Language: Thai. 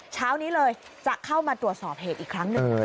เช้านี้เลยจะเข้ามาตรวจสอบเหตุอีกครั้งหนึ่งนะคะ